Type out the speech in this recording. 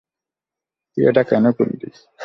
তুই এটা কেন করলি?